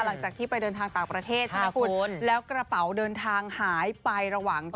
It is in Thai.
หลังจากที่ไปเดินทางต่างประเทศใช่ไหมคุณแล้วกระเป๋าเดินทางหายไประหว่าง